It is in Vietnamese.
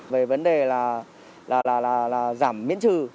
về vấn đề là giảm miễn trừ